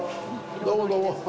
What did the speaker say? どうも、どうも。